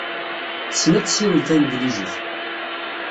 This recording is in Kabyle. Tessen ad tessiwel tanglizit.